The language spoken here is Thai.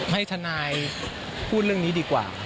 ให้ทนายพูดเรื่องนี้ดีกว่า